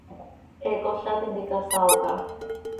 He cola tintica saao caha.